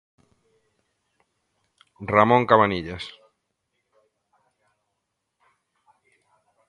Ramón Cabanillas.